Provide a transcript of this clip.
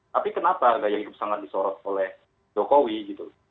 tapi kenapa gaya hidup sangat disorot oleh jokowi gitu